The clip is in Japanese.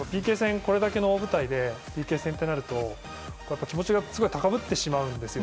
これだけの大舞台でＰＫ戦となると気持ちがすごく高ぶってしまうんですよ。